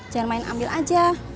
jangan main ambil aja